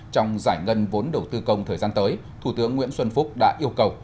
trong giải ngân vốn đầu tư công thời gian tới thủ tướng nguyễn xuân phúc đã yêu cầu